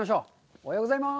おはようございます。